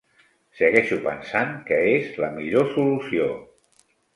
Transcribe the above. Segueixo pensant que és la millor solució.